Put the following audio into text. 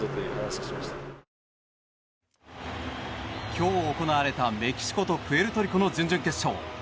今日行われたメキシコとプエルトリコの準々決勝。